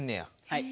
はい。